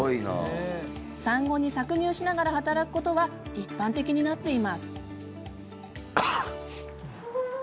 産後に搾乳しながら働くことは一般的になっています。